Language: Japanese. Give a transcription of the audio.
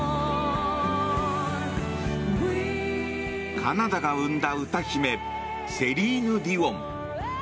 カナダが生んだ歌姫セリーヌ・ディオン。